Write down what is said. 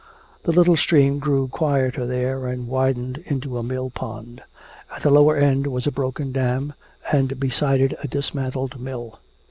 The little stream grew quieter there and widened into a mill pond. At the lower end was a broken dam and beside it a dismantled mill.